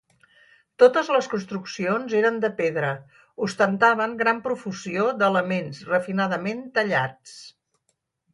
Totes les construccions eren de pedra, ostentaven gran profusió d'elements refinadament tallats.